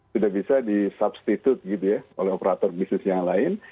sudah bisa di substitude gitu ya oleh operator bisnis yang lain